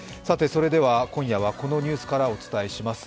それでは今夜はこのニュースからお伝えします。